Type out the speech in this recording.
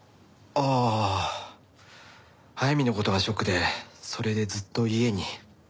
ああ速水の事がショックでそれでずっと家に。